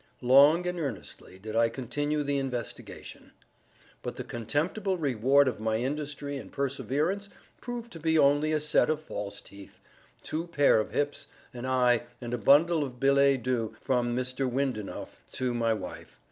Long and earnestly did I continue the investigation: but the contemptible reward of my industry and perseverance proved to be only a set of false teeth, two pair of hips, an eye, and a bundle of billets doux from Mr. Windenough to my wife.